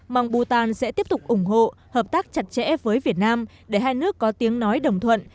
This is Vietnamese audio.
mong bhan sẽ tiếp tục ủng hộ hợp tác chặt chẽ với việt nam để hai nước có tiếng nói đồng thuận